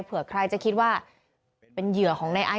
เผื่อใครจะคิดว่าเป็นเหยื่อของในไอซ